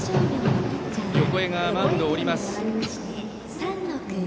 横江がマウンドを降ります。